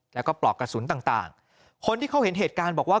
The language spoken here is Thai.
แล้วก็ปลอกกระสุนต่างต่างคนที่เขาเห็นเหตุการณ์บอกว่า